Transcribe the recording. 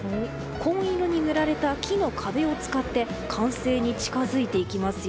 紺色に塗られた木の壁を使って完成に近づいていきますよ。